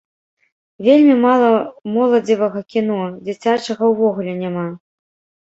Вельмі мала моладзевага кіно, дзіцячага ўвогуле няма.